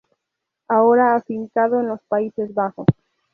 Ahora afincado en los Países Bajos.